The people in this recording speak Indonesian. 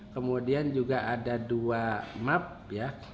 kemudian juga ada dua map ya